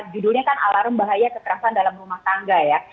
judulnya kan alarm bahaya kekerasan dalam rumah tangga ya